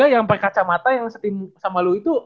yang pakai kacamata yang sama lu itu